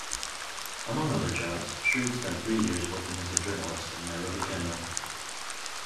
Among other jobs, Shreve spent three years working as a journalist in Nairobi, Kenya.